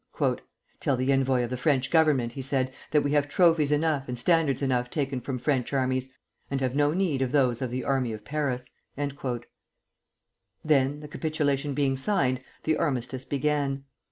"Tell the envoy of the French Government," he said, "that we have trophies enough and standards enough taken from French armies, and have no need of those of the army of Paris." Then, the capitulation being signed, the armistice began.